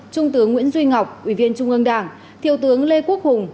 trung tướng nguyễn duy ngọc ủy viên trung ương đảng thiều tướng lê quốc hùng